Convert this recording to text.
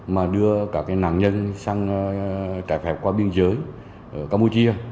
mà đưa cả cái nạn nhân sang trái phép qua biên giới campuchia